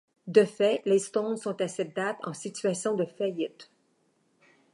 De fait, les Stones sont à cette date en situation de faillite.